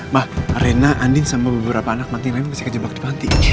ma rena andien sama beberapa anak manti yang lain masih terjebak di panti